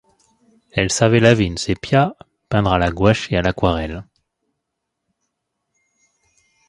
Elle savait laver une seppia, peindre à la gouache et à l’aquarelle.